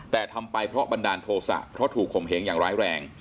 แต่ทำไปเพราะบันดาลโทษะเพราะถูกข่มเหงอย่างร้ายแรง